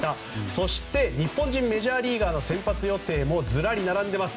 そして、日本人メジャーリーガーの先発予定もずらり並んでいます。